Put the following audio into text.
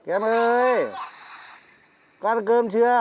em ơi con ăn cơm chưa